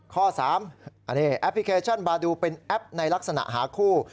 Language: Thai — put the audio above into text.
ข้อ๓อันนี้แอปพลิเคชันบาดูเป็นแอปในลักษณะหาคู่